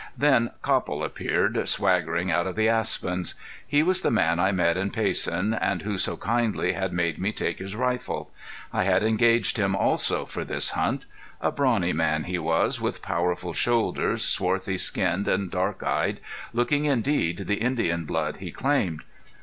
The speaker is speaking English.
Then Copple appeared, swaggering out of the aspens. He was the man I met in Payson and who so kindly had made me take his rifle. I had engaged him also for this hunt. A brawny man he was, with powerful shoulders, swarthy skinned, and dark eyed, looking indeed the Indian blood he claimed.